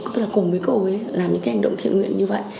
tôi là cùng với cô ấy làm những hành động thiện nguyện như vậy